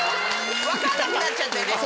分かんなくなっちゃってね。